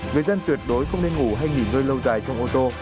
người dân tuyệt đối không nên ngủ hay nghỉ ngơi lâu dài trong ô tô